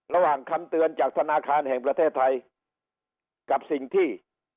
คำเตือนจากธนาคารแห่งประเทศไทยกับสิ่งที่